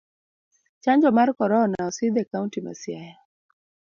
Chanjo mar korona osidh e kaunti ma siaya.